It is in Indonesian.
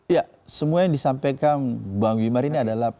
ya semua yang disampaikan bang wimar ini adalah